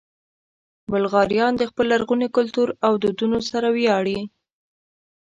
بلغاریان د خپل لرغوني کلتور او دودونو سره ویاړي.